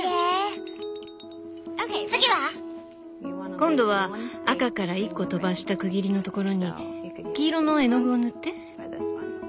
今度は赤から１個とばした区切りのところに黄色の絵の具を塗って。